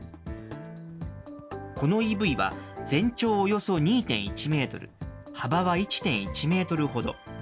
このＥＶは、全長およそ２．１メートル、幅は１．１メートルほど。